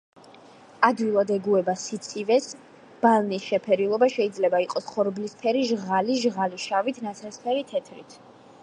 ადვილად ეგუება სიცივეს, ბალნის შეფერილობა შეიძლება იყოს ხორბლისფერი, ჟღალი, ჟღალი შავით, ნაცრისფერი თეთრით.